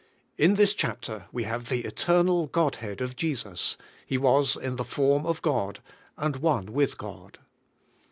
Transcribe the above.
In this chapter we have the eternal Godhead of Jesus — He was in the form of God, and one with God.